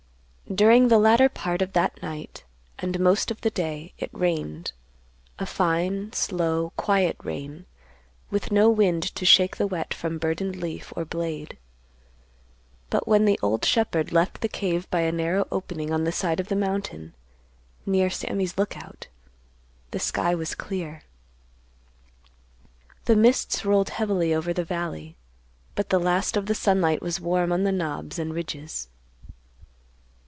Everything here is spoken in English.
During the latter part of that night and most of the day, it rained; a fine, slow, quiet rain, with no wind to shake the wet from burdened leaf or blade. But when the old shepherd left the cave by a narrow opening on the side of the mountain, near Sammy's Lookout, the sky was clear. The mists rolled heavily over the valley, but the last of the sunlight was warm on the knobs and ridges.